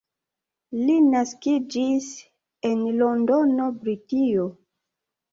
Li naskiĝis en Londono, Britio.